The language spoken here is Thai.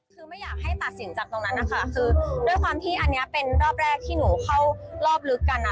คือไม่อยากให้ตัดสินจากตรงนั้นนะคะคือด้วยความที่อันนี้เป็นรอบแรกที่หนูเข้ารอบลึกกันนะ